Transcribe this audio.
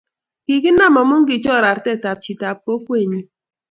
kikiknam amu kichor artetab chitab kokwenyin.